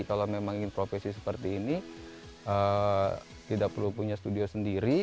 kalau memang ingin profesi seperti ini tidak perlu punya studio sendiri